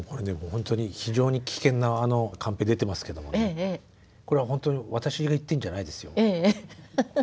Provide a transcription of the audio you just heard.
ほんとに非常に危険なカンペ出てますけどこれはほんとに私が言ってんじゃないですよ。